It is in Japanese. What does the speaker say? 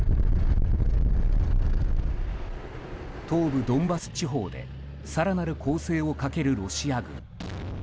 東部ドンバス地方で更なる攻勢をかけるロシア軍。